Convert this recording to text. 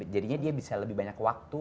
jadinya dia bisa lebih banyak waktu